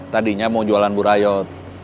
tadinya mau jualan burayot